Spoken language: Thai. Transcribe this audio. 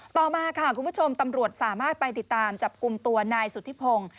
ต่อมาค่ะคุณผู้ชมตำรวจสามารถไปติดตามจับกลุ่มตัวนายสุธิพงศ์